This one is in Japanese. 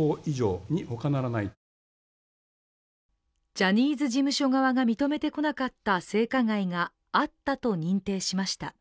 ジャニーズ事務所側が認めてこなかった性加害があったと認定しました。